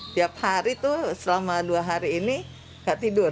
tiap hari tuh selama dua hari ini gak tidur